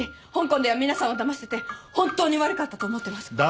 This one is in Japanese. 香港では皆さんをだましてて本当に悪かったと思ってます。